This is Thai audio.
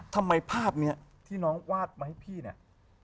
ทำไมภาพนี้ที่น้องวาดมาให้พี่เนี่ย